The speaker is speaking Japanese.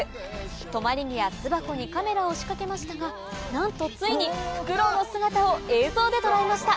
止まり木や巣箱にカメラを仕掛けましたがなんとついにフクロウの姿を映像で捉えました。